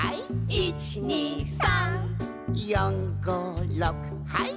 「１２３」「４５６はい」